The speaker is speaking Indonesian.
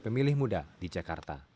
pemilih muda di jakarta